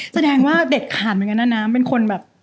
แสดงว่าเด็ดขาดเหมือนกันนะน้ำเป็นคนแบบ